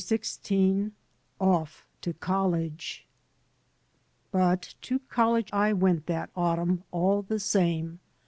XVI OFF TO COLLEGE BUT to college I went that autumn, all the same.